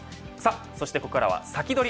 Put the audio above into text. そして、ここからはサキドリ！